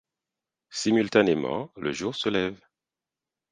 Simultanément, le jour se lève.